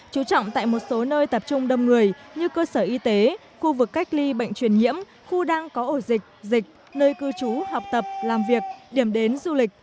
chú trọng tại một số nơi tập trung đông người như cơ sở y tế khu vực cách ly bệnh truyền nhiễm khu đang có ổ dịch dịch nơi cư trú học tập làm việc điểm đến du lịch